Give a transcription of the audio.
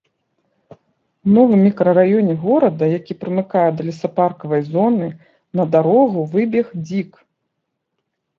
У новым мікрараёне горада, які прымыкае да лесапаркавай зоны, на дарогу выбег дзік.